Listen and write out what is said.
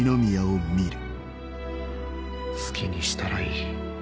好きにしたらいい。